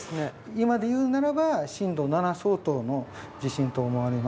今でいうならば震度７相当の地震と思われます。